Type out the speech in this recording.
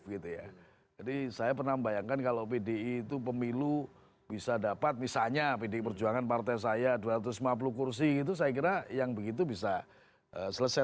jadi saya pernah membayangkan kalau pdi itu pemilu bisa dapat misalnya pdi perjuangan partai saya dua ratus lima puluh kursi gitu saya kira yang begitu bisa selesai